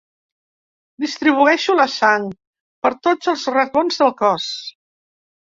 Distribueixo la sang per tots els racons del cos.